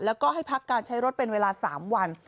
แล้วก็ให้พักการใช้รถเป็นเวลา๓วัน